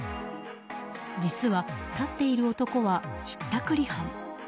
実は、立っている男はひったくり犯。